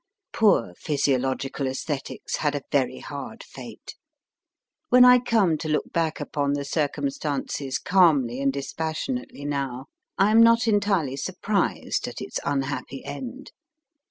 Poor Physiological ^Esthetics had a very hard fate. When I come to look back upon the circumstances calmly and dispassionately now, I m not entirely surprised at its unhappy end.